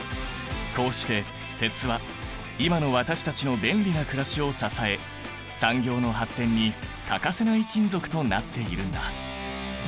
こうして鉄は今の私たちの便利なくらしを支え産業の発展に欠かせない金属となっているんだ。